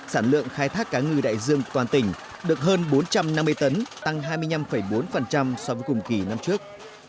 sản lượng khai thác cá ngừ đại dương toàn tỉnh được hơn bốn trăm năm mươi tấn tăng hai mươi năm bốn so với cùng kỳ năm trước